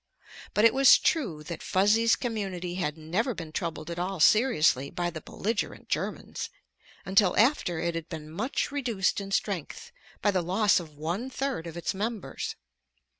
But it was true that Fuzzy's community had never been troubled at all seriously by the belligerent Germans, until after it had been much reduced in strength by the loss of one third of its members.